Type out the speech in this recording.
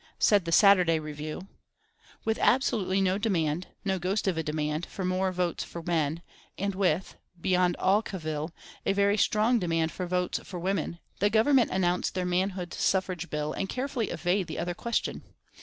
Said the Saturday Review: With absolutely no demand, no ghost of a demand, for more votes for men, and with beyond all cavil a very strong demand for votes for women, the Government announce their Manhood Suffrage Bill and carefully evade the other question!